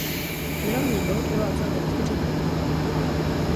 Nerovný boj trval celkem čtyři týdny.